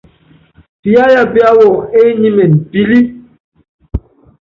Piyááya píáwɔ enyímen pilí.